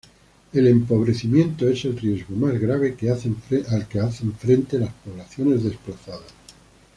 El empobrecimiento es el riesgo más grave a que hacen frente las poblaciones desplazadas.